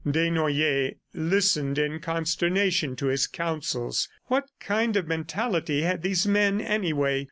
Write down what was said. Desnoyers listened in consternation to his counsels. What kind of mentality had these men, anyway?